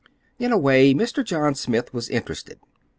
In a way, Mr. John Smith was interested.